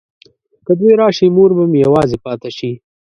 که دوی راشي مور به مې یوازې پاته شي.